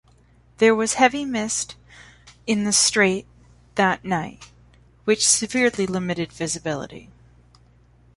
There was heavy mist in the strait that night, which severely limited visibility.